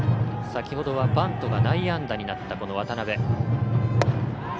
先ほどはバントが内野安打になったこの渡辺。